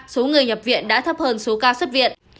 số người nhập viện đã thấp hơn số ca xuất viện